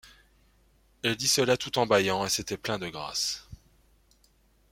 Elle dit cela tout en bâillant, et c’était plein de grâce.